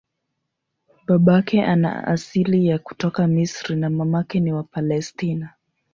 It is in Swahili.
Babake ana asili ya kutoka Misri na mamake ni wa Palestina.